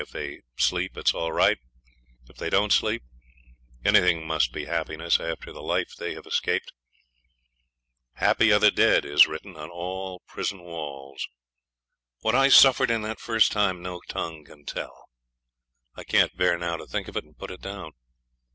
If they sleep it's all right; if they don't sleep anything must be happiness after the life they have escaped. 'Happy are the dead' is written on all prison walls. What I suffered in that first time no tongue can tell. I can't bear now to think of it and put it down.